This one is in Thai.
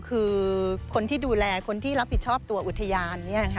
คือคนที่ดูแลคนที่รับผิดชอบตัวอุทยาน